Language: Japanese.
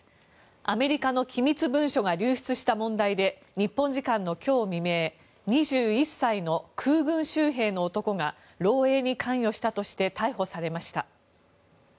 アメリカの機密文書が流出した問題で日本時間の今日未明２１歳の空軍州兵の男が漏洩に関与したとして逮捕されました。